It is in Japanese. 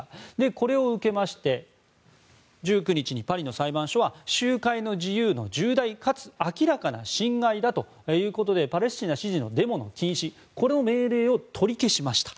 これを受けまして１９日にパリの裁判所は集会の自由の重大かつ明らかな侵害だということでパレスチナ支持のデモの禁止の命令を取り消しました。